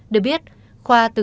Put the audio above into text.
được biết khoa từng